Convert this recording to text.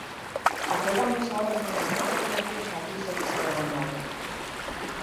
Achegándose a eles de maneira silenciosa, díxolles avergoñado: